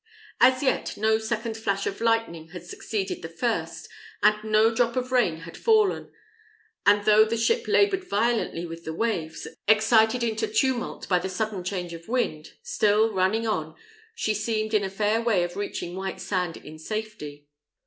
As yet no second flash of lightning had succeeded the first, and no drop of rain had fallen; and though the ship laboured violently with the waves, excited into tumult by the sudden change of wind, still, running on, she seemed in a fair way of reaching Whitesand in safety.